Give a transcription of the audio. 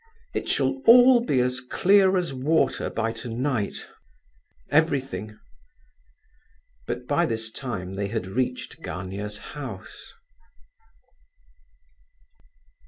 It shall all be as clear as water by tonight, everything!" But by this time they had reached Gania's house.